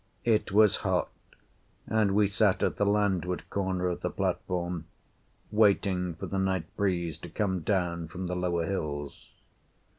It was hot, and we sat at the landward corner of the platform, waiting for the night breeze to come down from the lower hills.